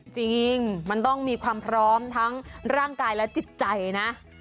จริงมันต้องมีความพร้อมทั้งร่างกายและจิตใจนะ